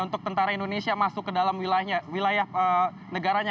untuk tentara indonesia masuk ke dalam wilayah negaranya